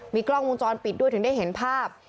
มีกล้องวงจรปิดด้วยถึงได้เห็นภาพ